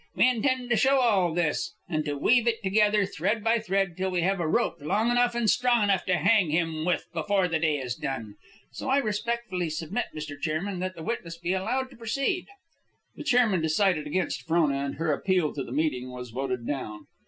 We intend to show all this, and to weave it together, thread by thread, till we have a rope long enough and strong enough to hang him with before the day is done. So I respectfully submit, Mr. Chairman, that the witness be allowed to proceed." The chairman decided against Frona, and her appeal to the meeting was voted down.